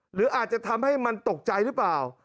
หรืออาจจะทำให้มันตกใจหรือเปล่า